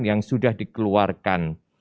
yang sudah dikeluarkan